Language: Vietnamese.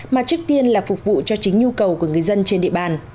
mà trước tiên là phục vụ cho chính nhu cầu của người dân trên địa bàn